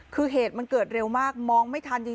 คือเหตุมันเกิดเร็วมากมองไม่ทันจริง